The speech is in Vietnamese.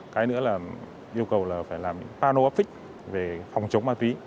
cái nữa là yêu cầu là phải làm những panel office về phòng chống ma túy